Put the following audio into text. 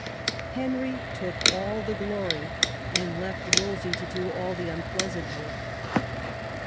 Henry took all the glory, and left Wolsey to do all the unpleasant work.